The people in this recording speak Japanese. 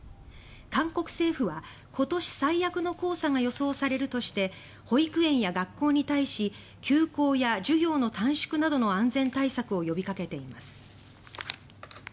韓国政府は今年最悪の黄砂が予想されるとして保育園や学校に対し休校や授業の短縮などの安全対策を呼びかけています。